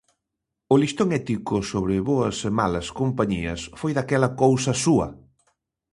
O listón ético sobre boas e malas compañías foi daquela cousa súa.